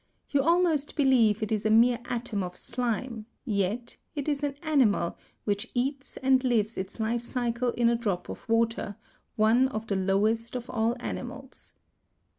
You almost believe it is a mere atom of slime, yet it is an animal which eats and lives its life cycle in a drop of water, one of the lowest of all animals.